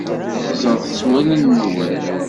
Ẓret s wallen-nwen.